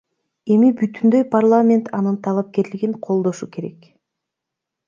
Эми бүтүндөй парламент анын талапкерлигин колдошу керек.